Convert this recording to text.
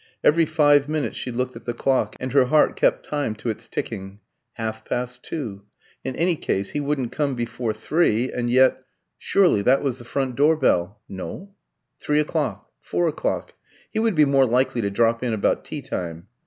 Every five minutes she looked at the clock, and her heart kept time to its ticking. Half past two. In any case he wouldn't come before three; and yet surely that was the front door bell. No. Three o'clock, four o'clock he would be more likely to drop in about tea time.